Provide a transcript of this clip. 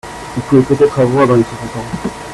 Il pouvait peut-être avoir dans les soixante ans.